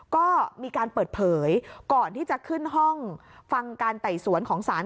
ก็มีการเปิดเผยก่อนที่จะขึ้นห้องฟังการไต่สวนของศาล